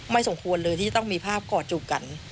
สมควรเลยที่จะต้องมีภาพกอดจูบกัน